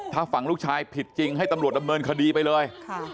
ถ้าฝั่งลูกชายผิดจริงให้ตำรวจดำเนินคดีไปเลย